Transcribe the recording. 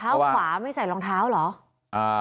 ขวาไม่ใส่รองเท้าเหรอ